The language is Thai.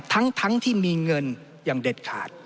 ทั้งที่มีเงินอย่างเด็ดขาด